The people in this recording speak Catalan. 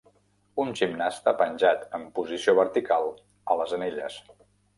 Un gimnasta penjat en posició vertical a les anelles.